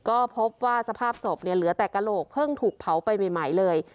ก็พบว่าสภาพศพเนี่ยเหลือแต่กระโหลกเพิ่งถูกเผาไปใหม่เลย